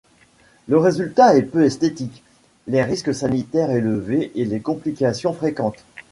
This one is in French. Le résultat est peu esthétique, les risques sanitaires élevés et les complications fréquentes.